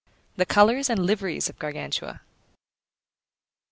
The colours and liveries of Gargantua.